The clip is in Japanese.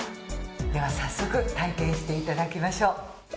では早速体験していただきましょう。